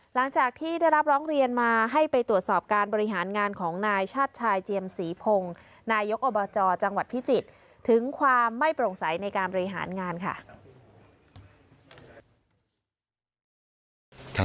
หลังจากที่ได้รับร้องเรียนมาให้ไปตรวจสอบการบริหารงานของนายชาติชายเจียมศรีพงศ์นายกอบจจังหวัดพิจิตรถึงความไม่โปร่งใสในการบริหารงานค่ะ